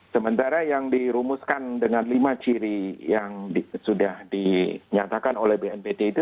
sementara yang dirumuskan dengan lima ciri yang sudah dinyatakan oleh bnpt itu